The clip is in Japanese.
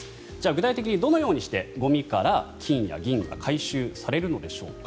具体的にどのようにしてゴミから金や銀が回収されるのでしょうか。